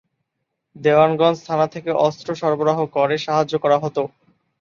দেওয়ানগঞ্জ থানা থেকে অস্ত্র সরবরাহ করে সাহায্য করা হতো।